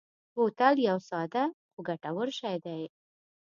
بوتل یو ساده خو ګټور شی دی.